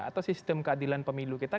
atau sistem keadilan pemilu kita